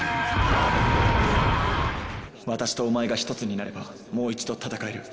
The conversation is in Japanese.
私とお前が一つになればもう一度戦える。